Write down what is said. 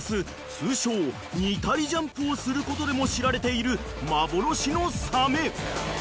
通称ニタリジャンプをすることでも知られている幻のサメ］